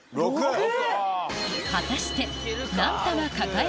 果たしてえ！